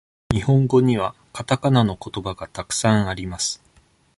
日本語にはかたかなのことばがたくさんあります。